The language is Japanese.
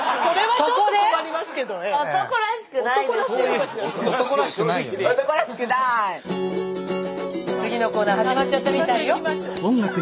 そこで⁉次のコーナー始まっちゃったみたいよ。